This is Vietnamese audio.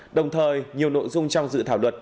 đồng thời nhiều nội dung trong dự thảo luật